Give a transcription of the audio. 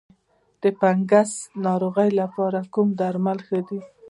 د فنګسي ناروغیو لپاره کوم درمل ښه دي؟